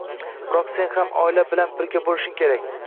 Biroq sen ham oilang bilan birga bo‘lishing kerak.